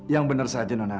yang bener saja nona